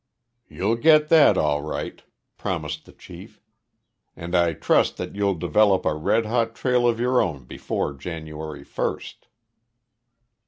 "You'll get that, all right," promised the chief. "And I trust that you'll develop a red hot trail of your own before January first."